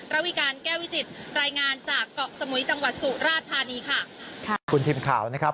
ระวิการแก้วิจิตรายงานจากเกาะสมุยจังหวัดสุราชธานีค่ะค่ะคุณทีมข่าวนะครับ